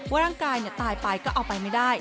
ร่างกายตายไปก็เอาไปไม่ได้